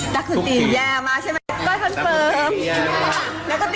จริงค่ะ